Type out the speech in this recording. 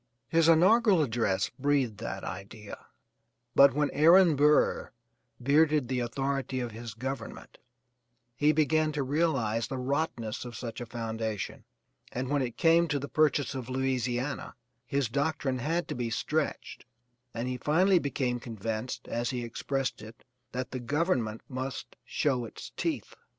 His inaugural address breathed that idea, but when Aaron Burr bearded the authority of his government he began to realize the rottenness of such a foundation, and when it came to the purchase of Louisiana, his doctrine had to be stretched, and he finally became convinced, as he expressed it, that the Government must show its teeth.